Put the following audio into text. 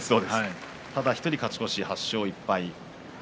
ただ１人勝ち越し８勝１敗。